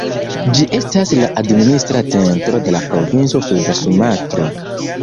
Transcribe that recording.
Ĝi estas la administra centro de la provinco Suda Sumatro.